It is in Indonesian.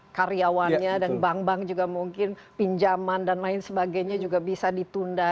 karyawannya dan bank bank juga mungkin pinjaman dan lain sebagainya juga bisa ditunda